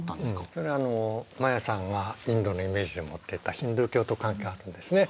それはマヤさんがインドのイメージで持ってたヒンドゥー教と関係あるんですね。